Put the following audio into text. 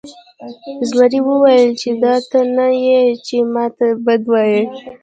زمري وویل چې دا ته نه یې چې ما ته بد وایې.